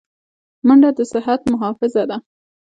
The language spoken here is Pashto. منډه د صحت محافظه ده